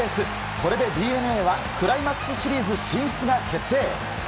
これでＤｅＮＡはクライマックスシリーズ進出が決定。